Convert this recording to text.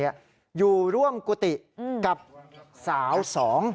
อยู่ร่วมกุฏิกับสาวสอง